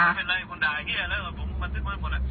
ไม่เป็นไรคุณด่าไอ้เกี้ยเลยเพราะผมมันซึกมันหมดละ